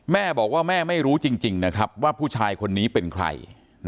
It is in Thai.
แม่บอกว่าแม่ไม่รู้จริงนะครับว่าผู้ชายคนนี้เป็นใคร